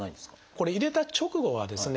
これ入れた直後はですね